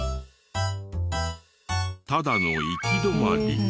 ただの行き止まり。